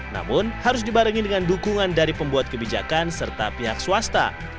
namun harus dibarengi dengan dukungan dari pembuat kebijakan serta pihak swasta